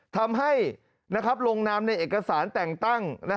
ทำให้ลงนามในเอกสารแต่งตั้ง